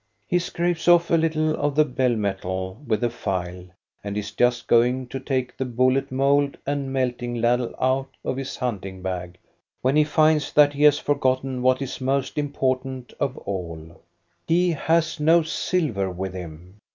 He scrapes off a little of the bell metal with a file, and is just going to take the bullet THE GREAT BEAR IN GURLITTA CLIFF 133 mould and melting ladle out of his hunting bag, when he finds that he has forgotten what is most important of all : he has no silver with him.